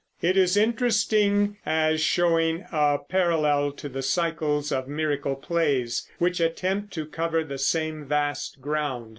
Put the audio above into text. It is interesting as showing a parallel to the cycles of miracle plays, which attempt to cover the same vast ground.